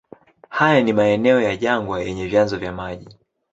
Haya ni maeneo ya jangwa yenye vyanzo vya maji.